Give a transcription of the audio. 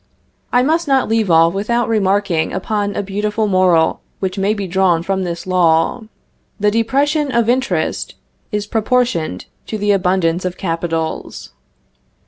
I must not leave off without remarking upon a beautiful moral which may be drawn from this law: "The depression of interest is proportioned to the abundance of capitals."